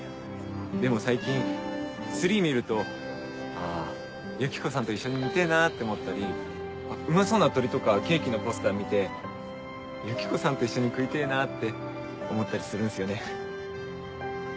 でも最近ツリー見るとあユキコさんと一緒に見てぇなって思ったりうまそうな鶏とかケーキのポスター見てユキコさんと一緒に食いてぇなって思ったりするんすよね。